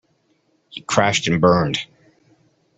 He crashed and burned